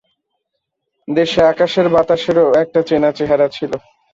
দেশে আকাশের বাতাসেরও একটা চেনা চেহারা ছিল।